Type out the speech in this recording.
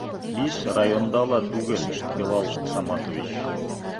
Биш районда ла түгел, Билал Саматович.